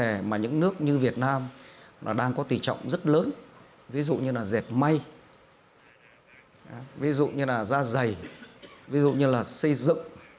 những cái nghề mà những nước như việt nam đang có tỉ trọng rất lớn ví dụ như là dẹp may ví dụ như là da dày ví dụ như là xây dựng